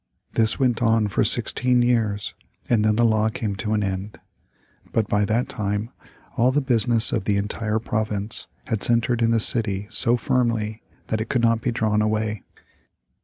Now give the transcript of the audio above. This went on for sixteen years, and then the law came to an end. But by that time all the business of the entire province had centred in the city so firmly that it could not be drawn away.